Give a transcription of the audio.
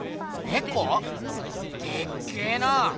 でっけえな！